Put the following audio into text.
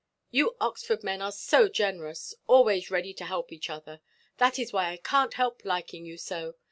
You Oxford men are so generous; always ready to help each other. That is why I canʼt help liking you so.